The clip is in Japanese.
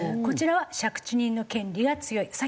こちらは借地人の権利が強い。